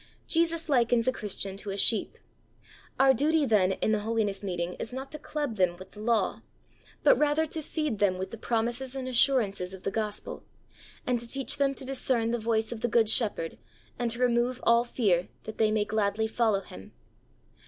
Jesus likens a Christian to a sheep. Our duty then in the holiness meeting is not to club them with the law, but rather to feed them with the promises and assurances of the Gospel, and to teach them to discern the voice of the good Shepherd and to remove all fear, that they may gladly follow Him.